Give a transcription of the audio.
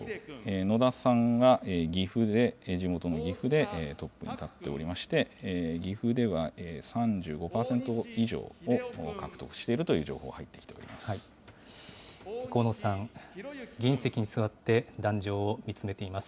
野田さんが岐阜で、地元の岐阜でトップに立っておりまして、岐阜では３５％以上を獲得しているという情報、入ってきておりま河野さん、議員席に座って、壇上を見つめています。